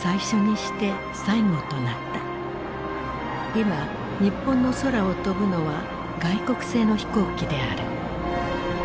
今日本の空を飛ぶのは外国製の飛行機である。